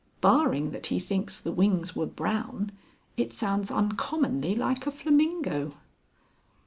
Barring that he thinks the wings were brown it sounds uncommonly like a Flamingo."